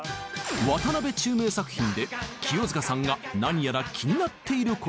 渡辺宙明作品で清塚さんが何やら気になっていることが。